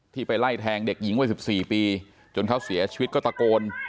ไปไล่แทงเด็กหญิงวัย๑๔ปีจนเขาเสียชีวิตก็ตะโกน